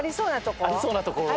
ありそうな所を。